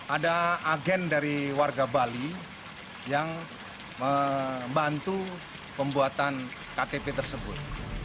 ada agen dari warga bali yang membantu pembuatan ktp tersebut